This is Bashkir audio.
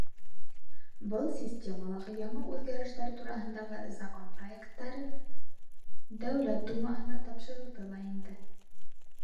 Был системалағы яңы үҙгәрештәр тураһындағы закон проекттары Дәүләт Думаһына тапшырылды ла инде.